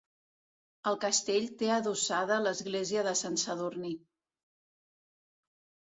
El castell té adossada l'església de Sant Sadurní.